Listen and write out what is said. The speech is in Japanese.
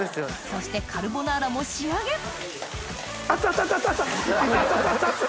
そしてカルボナーラも仕上げアツアツアツ！